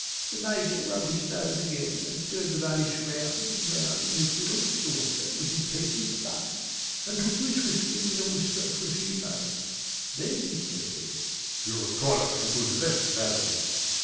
The Major rubbed his nose again and stirred the varnish round and round in its little saucer with his piece of sponge and took to his whistling in a whisper for a few moments. Then he says "You would call it a Good Let, Madam?"